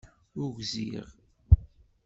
Ugziɣ